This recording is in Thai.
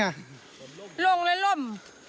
ลงแล้วล่ม